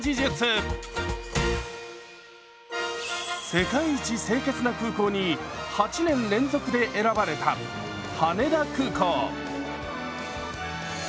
「世界一清潔な空港」に８年連続で選ばれた羽田空港。